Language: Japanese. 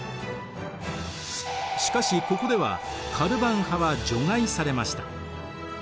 しかしここではカルヴァン派は除外されました。